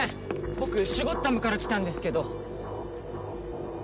僕シュゴッダムから来たんですけど。